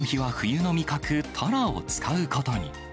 この日は冬の味覚、タラを使うことに。